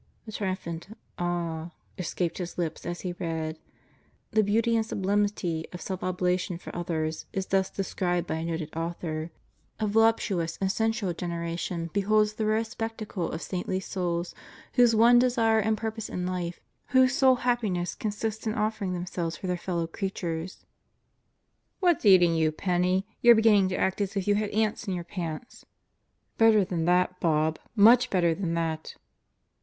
A triumphant "Ah!" escaped his lips as he read: "The beauty and sublimity of self oblation for others is thus described by a noted author: 'A voluptuous and sensual generation beholds the rare spectacle of saintly souls, whose one desire and purpose in life, whose sole happiness consists in offering themselves for their fellow creatures.' " "What's eating you, Penney. You're beginning to act as if you had ants in your pants." "Better than that, Bob. Much better than that!"